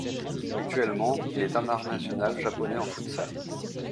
Actuellement, il est international japonais en futsal.